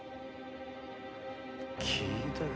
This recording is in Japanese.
聞いたか？